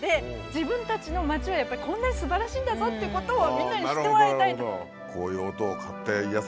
自分たちの町はやっぱりこんなにすばらしいんだぞっていうことをみんなに知ってもらいたいと。